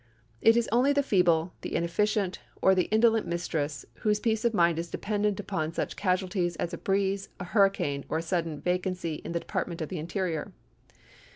It is only the feeble, the inefficient, or the indolent mistress whose peace of mind is dependent upon such casualties as a breeze, a hurricane, or a sudden vacancy in the department of the interior.